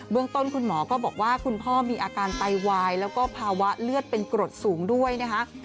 ต้นคุณหมอก็บอกว่าคุณพ่อมีอาการไตวายแล้วก็ภาวะเลือดเป็นกรดสูงด้วยนะคะ